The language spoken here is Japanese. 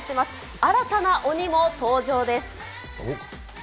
新たな鬼も登場です。